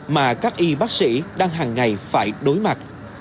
mà các y bác sĩ đang hàng ngày phải đối mặt